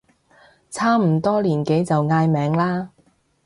差唔多年紀就嗌名啦